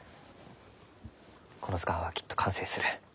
この図鑑はきっと完成する。